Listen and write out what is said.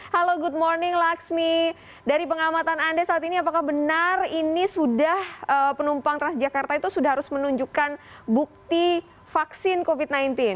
halo good morning laksmi dari pengamatan anda saat ini apakah benar ini sudah penumpang transjakarta itu sudah harus menunjukkan bukti vaksin covid sembilan belas